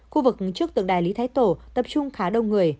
khu vực trước tượng đài lý thái tổ tập trung khá đông người